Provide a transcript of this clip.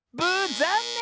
ざんねん！